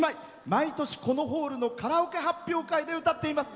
毎年、このホールのカラオケ発表会で歌っています。